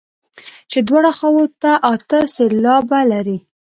چې دواړو خواوو ته اته سېلابه لري.